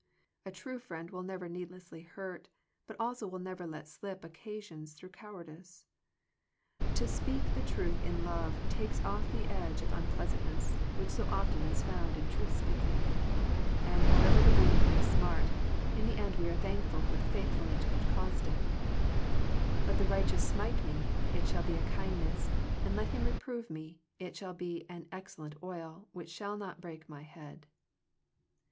A true friend will never need lessly hurt, but also will never let slip oc casions through cowardice. To speak the truth in love takes off the edge of un pleasantness, which so often is found in 76 Digitized by VjOOQIC THE FRUITS OF FRIENDSHIP truth speaking. And however the wound may smart, in the end we are thankful for the faithfulness which caused it "Let the righteous smite me; it shall be a kindness: and let him reprove me; it shall be an excellent oil, which shall not break my head."